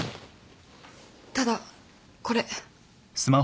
ただこれ。